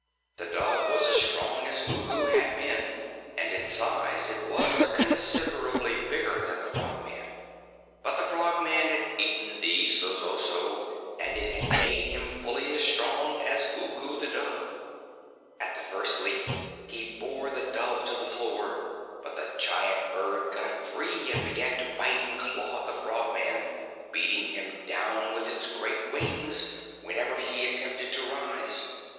The dove was as strong as Ugu had been, and in size it was considerably bigger than the Frogman. But the Frogman had eaten the zosozo, and it had made him fully as strong as Ugu the Dove. At the first leap he bore the dove to the floor, but the giant bird got free and began to bite and claw the Frogman, beating him down with its great wings whenever he attempted to rise.